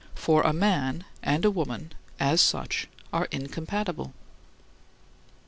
For a man and a woman, as such, are incompatible.